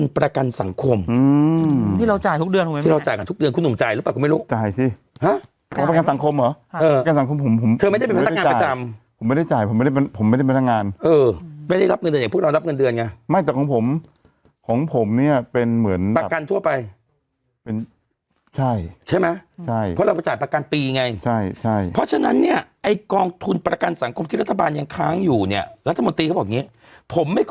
ประกันสังคมที่เราจ่ายทุกเดือนที่เราจ่ายกันทุกเดือนคุณหนูจ่ายหรือเปล่าคุณไม่รู้จ่ายสิหรือประกันสังคมหรอประกันสังคมผมไม่ได้จ่ายผมไม่ได้เป็นพนักงานประจำผมไม่ได้จ่ายผมไม่ได้เป็นพนักงานไม่ได้รับเงินเดือนอย่างพวกเรารับเงินเดือนไงไม่แต่ของผมของผมเนี่ยเป็นเหมือนประกันทั่วไปใช่ใช่ไหมเพราะเราก็จ่ายประก